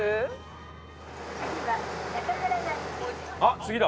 あっ次だ！